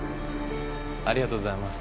ありがとうございます